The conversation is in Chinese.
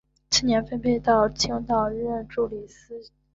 次年分配到青岛任助理司铎。